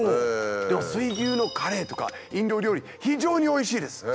水牛のカレーとかインド料理非常においしいです。